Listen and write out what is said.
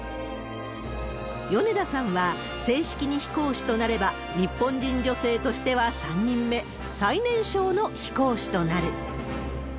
米田さんは、正式に飛行士となれば、日本人女性としては３人目、最年少の飛行士となる。